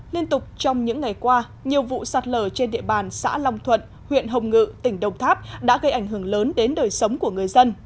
liên tục trong những ngày qua nhiều vụ sạt lở trên địa bàn xã long thuận huyện hồng ngự tỉnh đồng tháp đã gây ảnh hưởng lớn đến đời sống của người dân